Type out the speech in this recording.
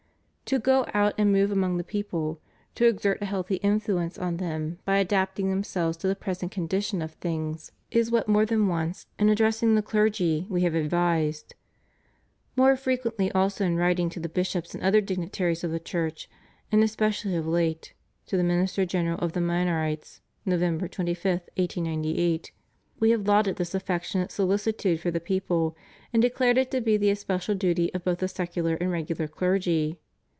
To go out and move among the people, to exert a healthy influence on them by adapt ing themselves to the present condition of things is what 492 CHRISTIAN DEMOCRACY. more than once in addressing the clergy We have ad vised. More frequently also in writing to the bishops and other dignitaries of the Church, and especially of late (to the Minister General of the Minorites, November 25, 1898) We have lauded this affectionate solicitude for the people and declared it to be the especial duty of both the secular and regular clergy.